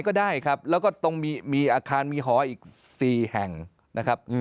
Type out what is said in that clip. ก็ได้ครับแล้วก็ตรงมีอาคารมีหออีก๔แห่งนะครับ